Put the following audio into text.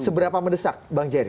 seberapa mendesak bang jerry